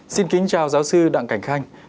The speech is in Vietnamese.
xin kính chào giáo sư đặng cảnh khanh